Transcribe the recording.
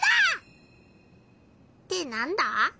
ってなんだ？